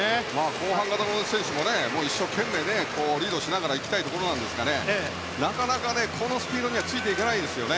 後半型の選手もね一生懸命リードしながらいきたいところですけどなかなか、このスピードにはついていけないですよね。